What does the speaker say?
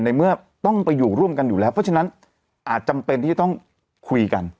ในเมื่อต้องไปอยู่ร่วมกันอยู่แล้วเพราะฉะนั้นอาจจำเป็นที่จะต้องคุยกัน